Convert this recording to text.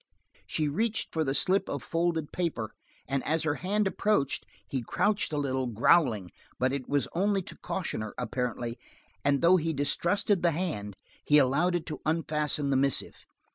She reached for the slip of folded paper, and as her hand approached he crouched a little, growling; but it was only to caution her, apparently, and though he distrusted the hand, he allowed it to unfasten the missive.